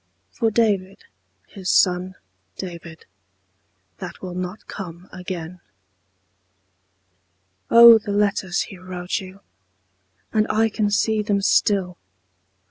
For David, his son David, That will not come again. Oh, the letters he wrote you, And I can see them still.